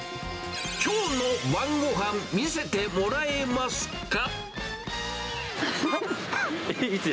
きょうの晩ご飯見せてもらえますか？